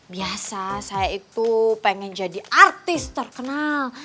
biasa saya itu pengen jadi artis terkenal